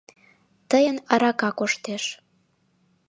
— Тыйын арака коштеш...